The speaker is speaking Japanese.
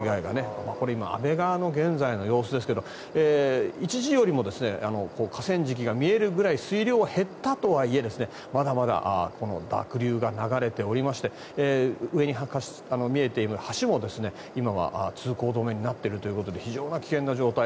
非常に土砂災害が、これ、今安倍川の現在の様子ですが一時よりも河川敷が見えるぐらい水量は減ったとはいえまだまだ濁流が流れておりまして上に見えている橋も今は通行止めになっているということで非常に危険な状態。